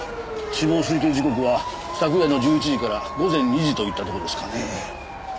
死亡推定時刻は昨夜の１１時から午前２時といったとこですかね。